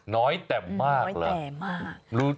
น้อยแต่มากเหรอ